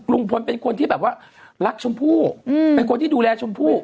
ลุงพลเป็นคนที่แบบว่ารักชมพู่เป็นคนที่ดูแลชมพู่